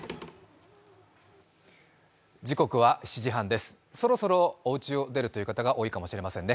時刻は７時半です、そろそろおうちを出るという方が多いかもしれませんね。